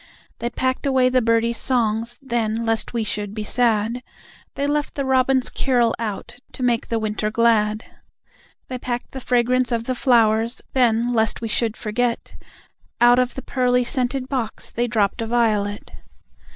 They packed away the birdies' songs, then, lest we should be sad, They left the Robin's carol out, to make the winter glad; They packed the fragrance of the flowers, then, lest we should forget, Out of the pearly scented box they dropped a Violet.